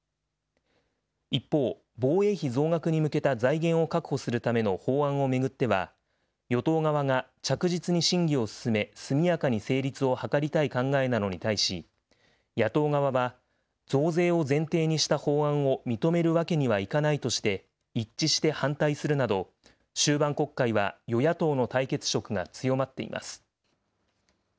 一方、防衛費増額に向けた財源を確保するための法案を巡っては、与党側が着実に審議を進め、速やかに成立を図りたい考えなのに対し、野党側は、増税を前提にした法案を認めるわけにはいかないとして、一致して反対するなど、終盤国会は与野党の対決色が強まっています。